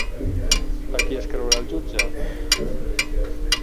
A qui es creurà el jutge?